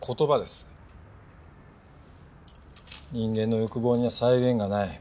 人間の欲望には際限がない。